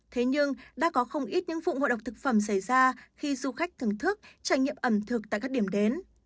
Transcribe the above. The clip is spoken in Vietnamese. thế nhưng đã có không ít những vụ ngộ độc thực phẩm xảy ra khi du khách thưởng thức trải nghiệm ẩm thực tại các điểm đến